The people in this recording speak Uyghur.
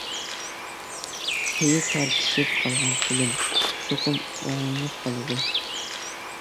پېيى تارتىشىپ قالغان قولۇم، چوقۇم ئوڭلىنىپ قالىدۇ.